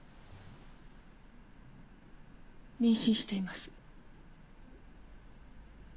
妊娠しています。